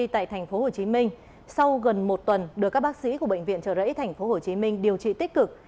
tại thành phố hồ chí minh sau gần một tuần được các bác sĩ của bệnh viện chợ rẫy thành phố hồ chí minh điều trị tích cực